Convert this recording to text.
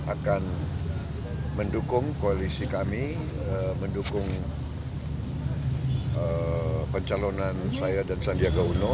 akan mendukung koalisi kami mendukung pencalonan saya dan sandiaga uno